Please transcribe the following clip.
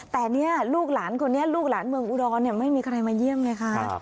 แต่เนี่ยลูกหลานคนนี้ลูกหลานเมืองอุดรไม่มีใครมาเยี่ยมไงคะ